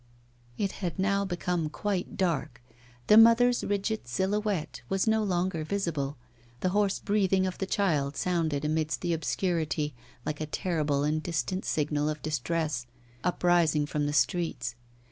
It had now become quite dark; the mother's rigid silhouette was no longer visible; the hoarse breathing of the child sounded amidst the obscurity like a terrible and distant signal of distress, uprising from the streets.